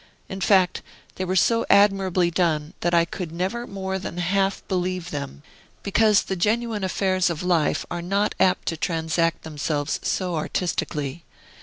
In fact, they were so admirably done that I could never more than half believe them, because the genuine affairs of life are not apt to transact themselves so artistically.